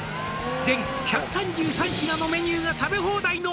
「全１３３品のメニューが食べ放題の」